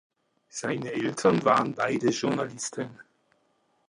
Seine Eltern waren beide Journalisten.